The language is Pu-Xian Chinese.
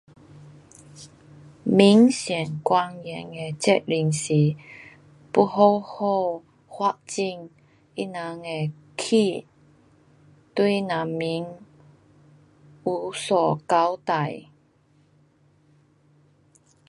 民选官员的责任是要好好发展他人的区。对人民有所交代。